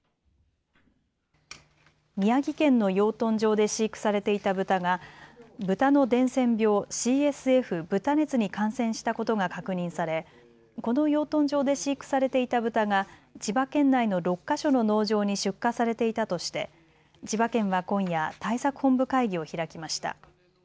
宮城県の養豚場で飼育されていたブタが豚の伝染病ＣＳＦ・豚熱に感染したことが確認されこの養豚場で飼育されていたブタが千葉県内の６か所の農場に出荷されていたとして千葉県は今夜、対策本部会議を開きました。